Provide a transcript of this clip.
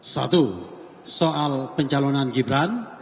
satu soal pencalonan gibran